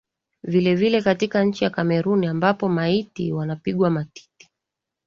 vilevile katika nchi ya Cameroon ambako maiti wanapigwa matiti